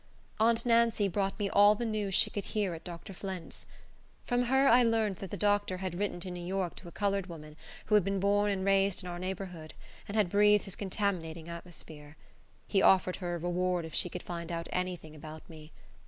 Aunt Nancy brought me all the news she could hear at Dr. Flint's. From her I learned that the doctor had written to New York to a colored woman, who had been born and raised in our neighborhood, and had breathed his contaminating atmosphere. He offered her a reward if she could find out any thing about me.